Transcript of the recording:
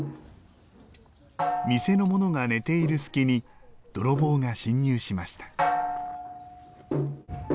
店の者が寝ている隙に泥棒が侵入しました。